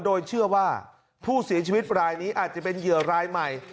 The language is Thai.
โดยเชื่อว่าผู้เสียชีวิตรายนี้อาจจะเป็นเหยื่อรายใหม่